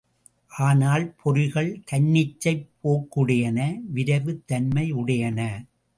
ஆனால் பொறிகள் தன்னிச்சைப் போக்குடையன விரைவுத் தன்மையுடையன.